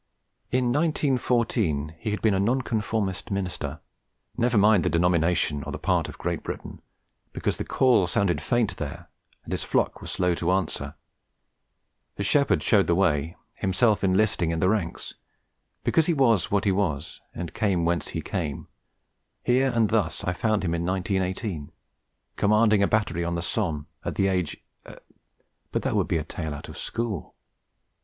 In 1914 the Major had been a Nonconformist Minister. Never mind the Denomination, or the part of Great Britain: because the Call sounded faint there, and his flock were slow to answer, the shepherd showed the way, himself enlisting in the ranks: because he was what he was, and came whence he came, here and thus had I found him in 1918, commanding a battery on the Somme, at the age but that would be a tale out of school.